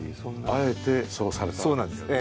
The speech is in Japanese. あえてそうされたんですね。